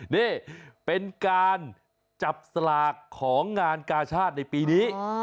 นี่เป็นการจับสลากของงานกาชาติในปีนี้